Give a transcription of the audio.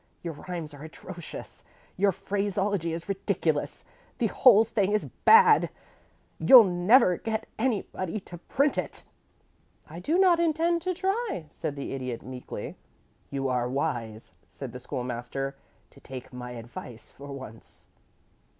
Your rhymes are atrocious. Your phraseology is ridiculous. The whole thing is bad. You'll never get anybody to print it." "I do not intend to try," said the Idiot, meekly. "You are wise," said the School master, "to take my advice for once."